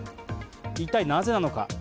一体なぜなのか。